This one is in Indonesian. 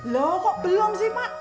loh kok belum sih mak